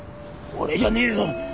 俺じゃねえよ！